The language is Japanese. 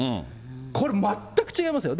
これ、全く違いますよ。